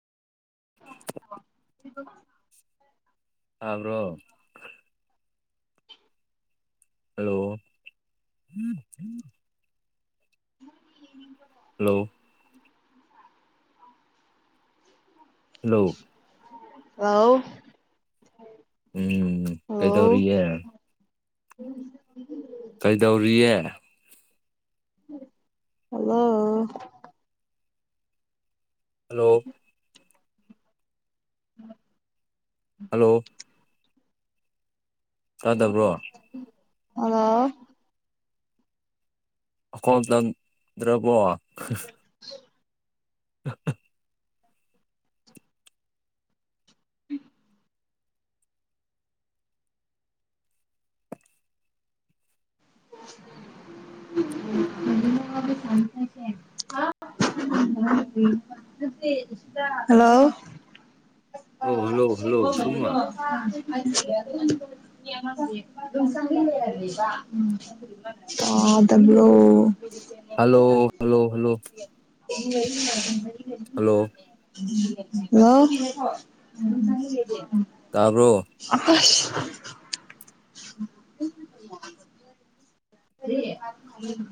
[inaudible] ꯇꯥꯕ꯭ꯔꯣ ꯍꯜꯂꯣ ꯎꯝ [inaudible] hello hello ꯍꯜꯂꯥꯎ ꯎꯝ ꯀꯩ ꯇꯧꯔꯤꯒꯦ ꯎꯝ ꯀꯩꯗꯧꯔꯤꯌꯦ ꯍꯜꯂꯣ ꯍꯜꯂꯣ ꯎꯝ [inaudible] ꯍꯜꯂꯣ ꯇꯥꯗꯕ꯭ꯔꯣ ꯍꯜꯂꯣ ꯑꯩ ꯈꯣꯟ ꯈꯪ ꯗ꯭ꯔꯕꯣ ꯑ ꯍ ꯎꯝ ꯃ ꯁꯥꯟꯁꯦ [inaudible] ꯍꯜꯂꯣ ꯑꯣ ꯍꯜꯂꯣ ꯍꯜꯂꯣ ꯁꯨꯝꯃ [unintelligible] ꯇꯥꯗꯕ꯭ꯔꯣ [inaudible] ꯍꯜꯂꯣ ꯍꯜꯂꯣ ꯍꯜꯂꯣ ꯍꯜꯂꯣ ꯅꯤꯅꯦ [inaudible] ꯍꯜꯂꯣ ꯇꯥꯕ꯭ꯔꯣ [inaudible] ꯑꯁ ꯑꯦ